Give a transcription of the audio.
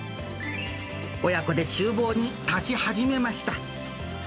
親子でちゅう房に立ち始めました。